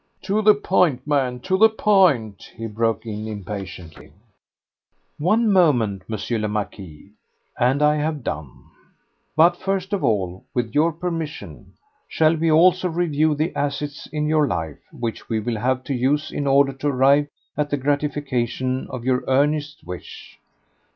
"To the point, man, to the point!" he broke in impatiently. "One moment, M. le Marquis, and I have done. But first of all, with your permission, shall we also review the assets in your life which we will have to use in order to arrive at the gratification of your earnest wish?"